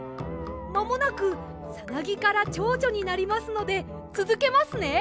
まもなくサナギからチョウチョになりますのでつづけますね。